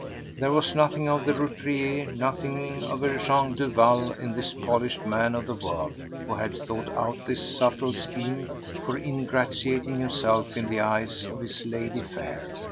There was nothing of the roturier, nothing of a Jean Duval, in this polished man of the world who had thought out this subtle scheme for ingratiating himself in the eyes of his lady fair.